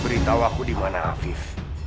beritahu aku dimana afif